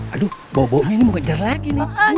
aduh boboknya ini mau kejar lagi